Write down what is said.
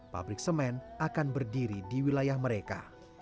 pabrik semen akan berdiri di wilayah mereka